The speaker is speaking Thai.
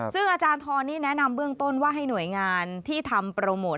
ซึ่งอาจารย์ทรนี่แนะนำเบื้องต้นว่าให้หน่วยงานที่ทำโปรโมท